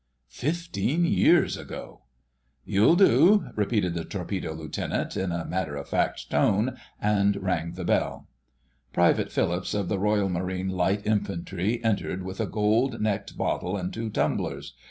Fifteen years ago...! "You'll do," repeated the Torpedo Lieutenant in a matter of fact tone, and rang the bell. Private Phillips of the Royal Marine Light Infantry entered with a gold necked bottle and two tumblers.